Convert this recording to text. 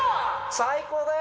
最高だよ